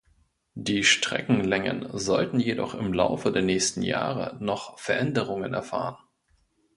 Die Streckenlängen sollten jedoch im Laufe der nächsten Jahre noch Veränderungen erfahren.